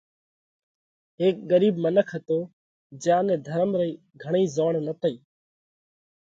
هيڪ ڳرِيٻ منک هتو جيا نئہ ڌرم رئي گھڻئِي زوڻ نتئِي